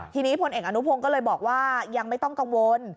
ทีนี้พลเอกอนุพงศ์ก็เลยบอกว่ายังไม่ต้องกังวล